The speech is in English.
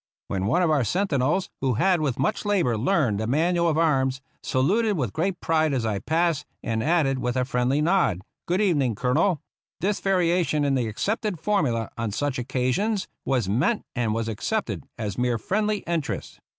When one of our sentinels, who had with much labor learned the manual of arms, saluted with great pride as I passed, and added, with a friendly nod, " Good evening, Colonel," this variation in the accepted formula on such occasions was meant, and was accepted, as mere friendly interest.